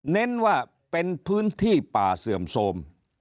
เน้นว่าเป็นพื้นที่ป่าเสื่อมโทรม